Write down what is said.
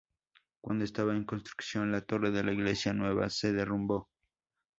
Cuando estaba en construcción, la torre de la Iglesia Nueva se derrumbó.